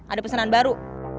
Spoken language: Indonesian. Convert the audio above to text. ada pesanan baru